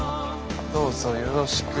どうぞよろしく。